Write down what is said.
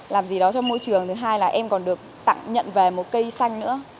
làm gì đó cho môi trường thứ hai là em còn được tặng nhận về một cây xanh nữa